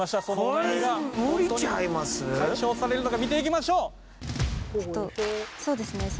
そうですね。